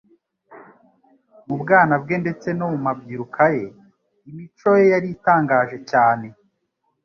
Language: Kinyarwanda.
Mu bwana bwe ndetse no mu mabyiruka ye, imico ye yari itangaje cyane.